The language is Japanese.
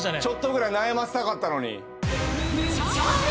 ちょっとぐらい悩ませたかったのに。